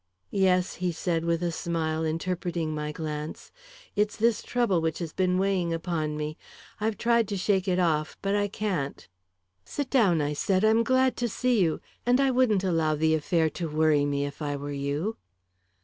"Yes," he said, with a smile, interpreting my glance; "it's this trouble which has been weighing upon me. I've tried to shake it off, but I can't." "Sit down," I said. "I'm glad to see you. And I wouldn't allow the affair to worry me, if I were you."